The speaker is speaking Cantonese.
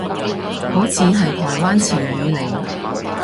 好似係台灣潮語嚟